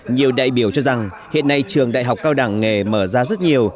nhiều đại biểu cho rằng hiện nay trường đại học cao đẳng nghề mở ra rất nhiều